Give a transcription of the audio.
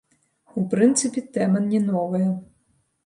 У прынцыпе, тэма не новая.